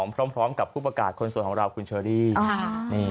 พร้อมกับผู้ประกาศคนสวยของเราคุณเชอรี่